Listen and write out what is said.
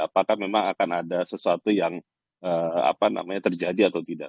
apakah memang akan ada sesuatu yang terjadi atau tidak